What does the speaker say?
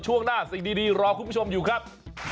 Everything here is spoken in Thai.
ช่วงหน้าสิ่งดีรอคุณผู้ชมอยู่ครับ